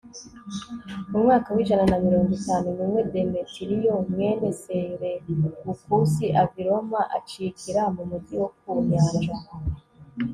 mu mwaka w'ijana na mirongo itanu n'umwe, demetiriyo mwene selewukusi ava i roma, acikira mu mugi wo ku nyanja